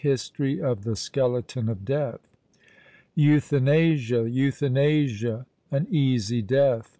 HISTORY OF THE SKELETON OF DEATH. Euthanasia! Euthanasia! an easy death!